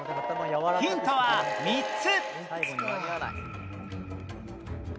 ヒントは３つ！